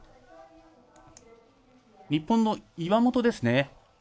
日本の岩本です。